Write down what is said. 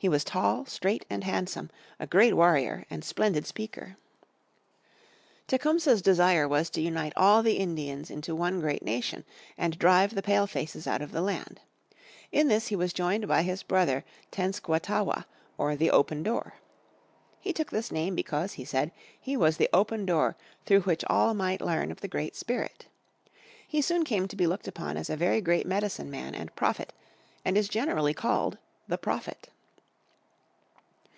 He was tall, straight and handsome, a great warrior and splendid speaker. Tecumseh's desire was to unite all the Indians into one great nation, and drive the Pale faces out of the land. In this he was joined by his brother Tenskwatawa or the Open Door. He took this name because, he said, he was the Open Door through which all might learn of the Great Spirit. He soon came to be looked upon as a very great Medicine Man and prophet, and is generally called the Prophet.